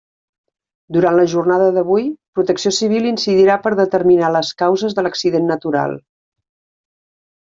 Durant la jornada d’avui, Protecció Civil incidirà per determinar les causes de l’accident natural.